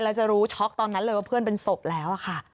แล้วจะรู้ช็อกตอนนั้นเลยว่าเพื่อนเป็นศพแล้วค่ะ